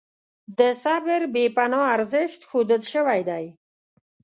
د صبر بې پناه ارزښت ښودل شوی دی.